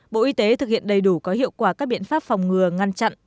bộ y tế thực hiện đầy đủ có hiệu quả các biện pháp phòng ngừa ngăn chặn